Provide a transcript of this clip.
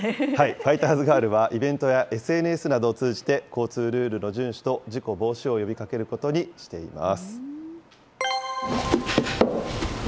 ファイターズガールは、イベントやＳＮＳなどを通じて、交通ルールの順守と事故防止を呼びかけることにしています。